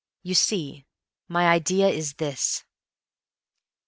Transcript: You see, my idea is this."